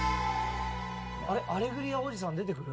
アレグリアおじさん出てくる？